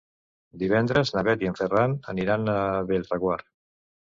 Divendres na Bet i en Ferran aniran a Bellreguard.